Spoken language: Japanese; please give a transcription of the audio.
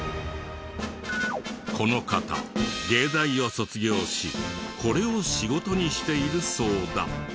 この方芸大を卒業しこれを仕事にしているそうだ。